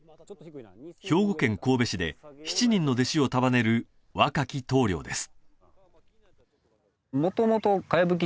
兵庫県神戸市で７人の弟子を束ねる若き棟梁です